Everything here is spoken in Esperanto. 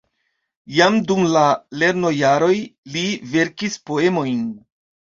Jam dum la lernojaroj li verkis poemojn.